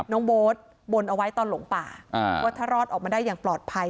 น้องโบ๊ทบนเอาไว้ตอนหลงป่าว่าถ้ารอดออกมาได้อย่างปลอดภัย